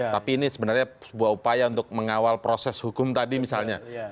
tapi ini sebenarnya sebuah upaya untuk mengawal proses hukum tadi misalnya